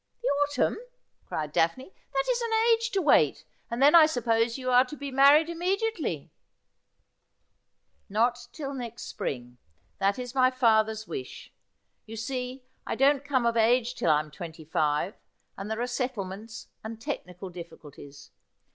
'The autumn!' criod Daphne. 'That is an ago to wait. And then, I suppo , yoii are to be mavrit d immediately V ' Not till next spring, That is ray father's wish. You see, I don't come of age till I'm twenty five, and there are settlements and technical difficulties.